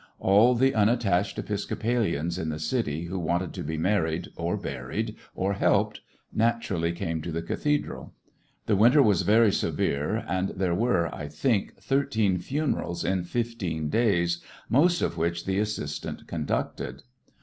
All the unattached Episcopalians in the city who wanted to be married, or buried, or helped, naturally came to the cathedral. The winter was very severe, and there were, I think, thirteen funerals in fifteen days, most of which the assistant conducted.